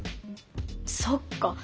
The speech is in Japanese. そっか！